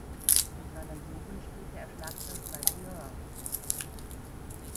In seiner Jugend spielte er Schlagzeug bei „The Earls“.